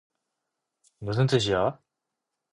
무슨 뜻이야?